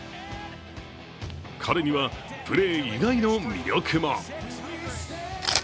彼にはプレー以外の魅力も。